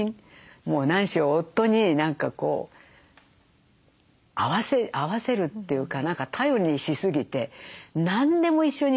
もう何しろ夫に何かこう合わせるっていうか何か頼りにしすぎて何でも一緒にやるので。